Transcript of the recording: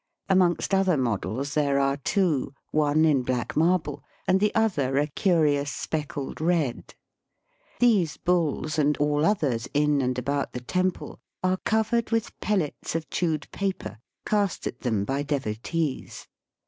Amongst other models there are two, one in black marble, and the other a curious speckled red. These bulls and all others in and about the temple are covered with pellets of chewed paper, cast at them by devotees.